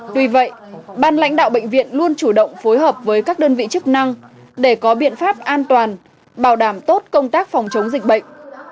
tuy vậy ban lãnh đạo bệnh viện luôn chủ động phối hợp với các đơn vị chức năng để có biện pháp an toàn bảo đảm tốt công tác phòng chống dịch bệnh